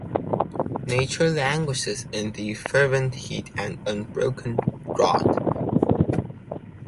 Nature languishes in the fervent heat and unbroken drought.